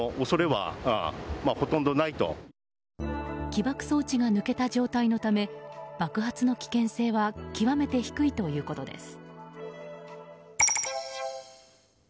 起爆装置が抜けた状態のため爆発の危険性は極めて低いということです。